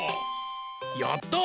やった！